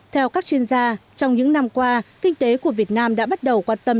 theo các chuyên gia trong những năm qua kinh tế của việt nam đã bắt đầu quan tâm